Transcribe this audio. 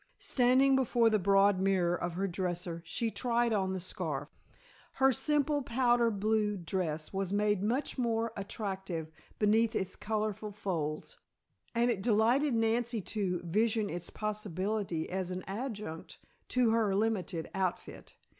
Standing before the broad mirror of her dresser she tried on the scarf. Her simple powder blue dress was made much more attractive beneath its colorful folds, and it delighted Nancy to vision its possibilities as an adjunct to her limited outfit.